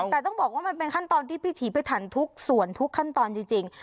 แต่ต้องบอกว่ามันเป็นขั้นตอนที่พิถีพิถันทุกส่วนทุกขั้นตอนจริง